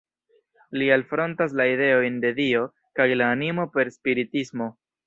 Li alfrontas la ideojn de Dio kaj la animo per spiritismo.